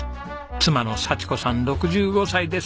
妻の佐智子さん６５歳です。